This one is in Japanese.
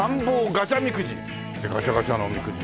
ガチャガチャのおみくじ。